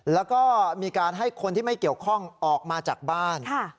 แล้วก็มีการให้คนที่ไม่เกี่ยวข้องออกมาจากบ้าน